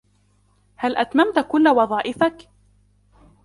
هل أتممت كل وظائفك ؟